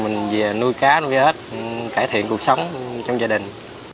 mình về nuôi cá nuôi ếch cải thiện cuộc sống trong gia đình